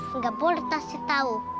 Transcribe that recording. enggak boleh kasih tahu